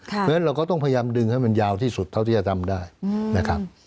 เพราะฉะนั้นเราก็ต้องพยายามดึงให้มันยาวที่สุดเท่าที่จะทำได้นะครับ